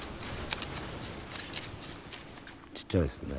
ちっちゃいですよね。